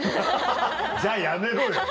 じゃあやめろよ。